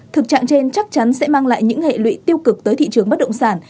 thực trạng trên chắc chắn sẽ mang lại những hệ lụy tiêu cực tới thị trường bất động sản